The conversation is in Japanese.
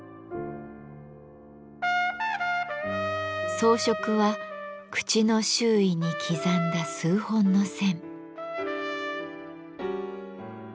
装飾は口の周囲に刻んだ数本の線。